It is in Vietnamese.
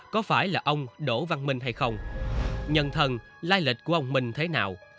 của ông đỗ văn minh hay không nhân thần lai lệch của ông minh thế nào